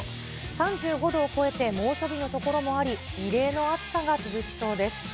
３５度を超えて猛暑日の所もあり、異例の暑さが続きそうです。